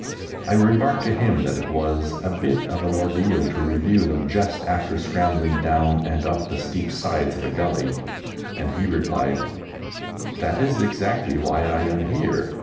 I remarked to him that it was a bit of an ordeal to review them just after scrambling down and up the steep sides of a gully, and he replied, "That is exactly why I am here.